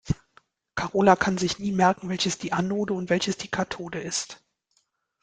Karola kann sich nie merken, welches die Anode und welches die Kathode ist.